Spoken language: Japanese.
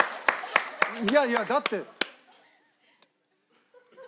いやいやだって。